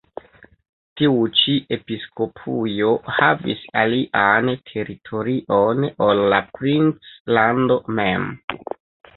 Tiu ĉi episkopujo havis alian teritorion ol la princlando mem.